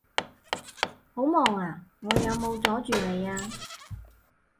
好忙呀？我有冇阻住你呀？